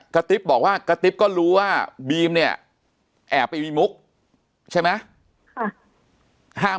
ติ๊บบอกว่ากระติ๊บก็รู้ว่าบีมเนี่ยแอบไปมีมุกใช่ไหม